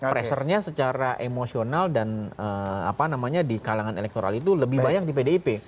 pressure nya secara emosional dan apa namanya di kalangan elektoral itu lebih banyak di pdip